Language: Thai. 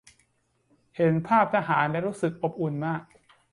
เห็นภาททหารแล้วรู้สึกอบอุ่นมาก